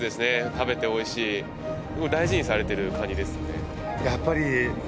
食べておいしいだいじにされてるカニですね